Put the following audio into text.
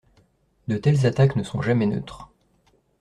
De telles attaques ne sont jamais neutres.